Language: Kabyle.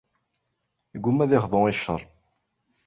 Iggumma ad ixḍu i ccer.